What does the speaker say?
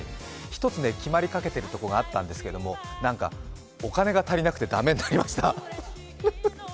一つ、決まりかけているところがあったんですけどなんかお金が足りなくて駄目になりました。